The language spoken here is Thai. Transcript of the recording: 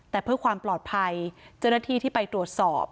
แต่เพื่อความปลอดภัยเจ้าหน้าที่ที่ไปตรวจสอบ